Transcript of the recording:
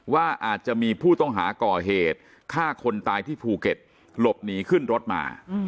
ว่าอาจจะมีผู้ต้องหาก่อเหตุฆ่าคนตายที่ภูเก็ตหลบหนีขึ้นรถมา